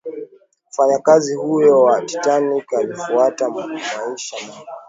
mfanyakazi huyo wa titanic alitafuta maisha mapya